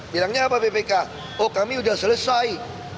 bilangnya apa bpk oh kami sudah selesai